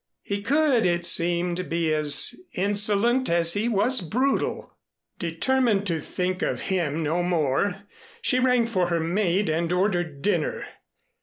He could, it seemed, be as insolent as he was brutal. Determined to think of him no more, she rang for her maid and ordered dinner.